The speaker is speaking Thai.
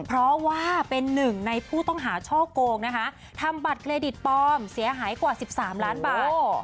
เพราะว่าเป็นหนึ่งในผู้ต้องหาช่อโกงนะคะทำบัตรเครดิตปลอมเสียหายกว่า๑๓ล้านบาท